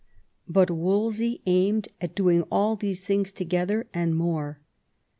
But Wolsey aimed at doing all these things together and more.